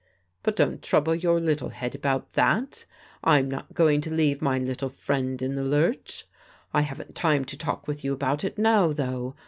But don't trouble your little head about that I'm not going to leave my little friend in the lurch. I haven't time to talk with you about it now, though.